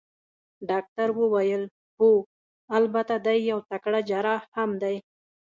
ډاکټر وویل: هو، البته دی یو تکړه جراح هم دی.